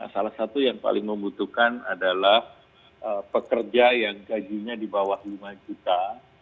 salah satu yang paling membutuhkan adalah pekerja yang gajinya di bawah lima juta